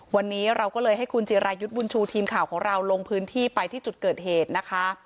วันนี้เราก็เลยให้คุณจิรายุทธ์บุญชูทีมข่าวของเราลงพื้นที่ไปที่จุดเกิดเหตุนะคะ